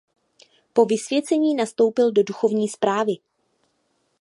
Po vysvěcení nastoupil do duchovní správy.